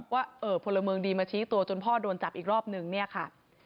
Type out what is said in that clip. ว่าพลเมืองดีมาชี้ตัวจนพ่อโดนจับอีกรอบนึงเนี่ยค่ะ